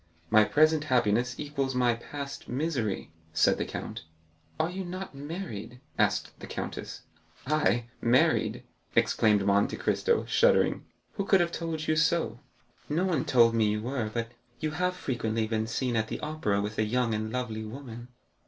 "My present happiness equals my past misery," said the count. "Are you not married?" asked the countess. "I, married?" exclaimed Monte Cristo, shuddering; "who could have told you so?" "No one told me you were, but you have frequently been seen at the Opera with a young and lovely woman."